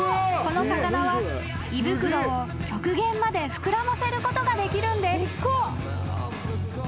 この魚は胃袋を極限まで膨らませることができるんです］